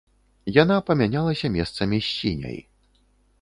Яна памянялася месцамі з сіняй.